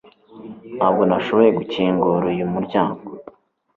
Ntabwo nashoboye gukingura uyu muryango